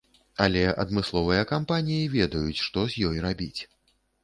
Але адмысловыя кампаніі ведаюць, што з ёй рабіць.